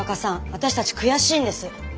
私たち悔しいんです。